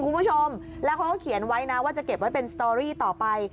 คุณผู้ชมแล้วเขาก็เขียนไว้นะว่าจะเก็บไว้เป็นสตอรี่ต่อไป